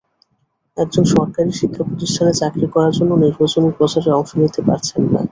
একজন সরকারি শিক্ষাপ্রতিষ্ঠানে চাকরি করার জন্য নির্বাচনী প্রচারে অংশ নিতে পারছেন না।